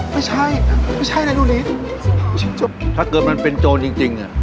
ไม่ใช่ไม่ใช่เลยปาหนูถ้าเกิดมันเป็นโจรจริงจริง